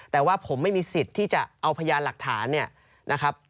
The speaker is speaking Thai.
แต่ว่าผมไม่มีสิทธิ์ที่จะเอาพยานหลักฐานเนี่ยนะครับ